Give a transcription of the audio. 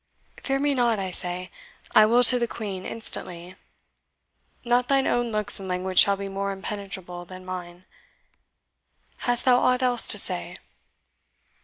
Fear me not, I say. I will to the Queen instantly not thine own looks and language shall be more impenetrable than mine. Hast thou aught else to say?"